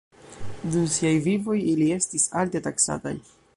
Dum siaj vivoj, ili estis alte taksataj.